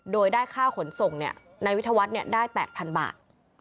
โดยได้ค่าขนส่งนายวิทยาวัฒน์ได้๘๐๐๐บาท